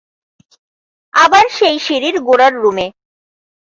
আবার সেই সিঁড়ির গোড়ার রুমে।